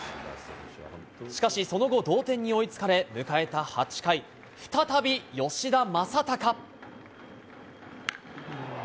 しかしその後、同点に追いつかれ、迎えた８回、再び吉田正尚。